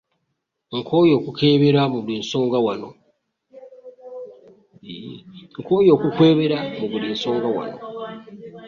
Nkooye okukwebera mu buli nsonga wano.